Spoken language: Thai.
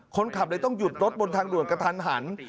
คนขับเลยต้องหยุดรถบนทางด่วนกระทันหัน